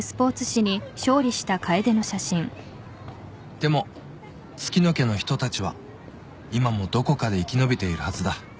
［でも月乃家の人たちは今もどこかで生き延びているはずだ］